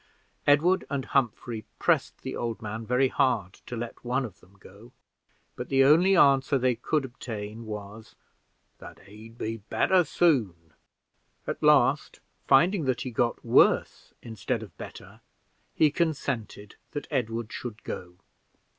Edward and Humphrey pressed the old man very hard to let one of them go, but the only answer they could obtain was "that he'd be better soon." At last, finding that he got worse instead of better, he consented that Edward should go.